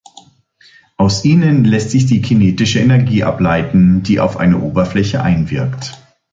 Aus ihnen lässt sich die kinetische Energie ableiten, die auf eine Oberfläche einwirkt.